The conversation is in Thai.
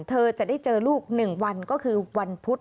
เธอจะได้เจอลูก๑วันก็คือวันพุธ